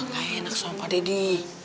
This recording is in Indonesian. gak enak sama pak deddy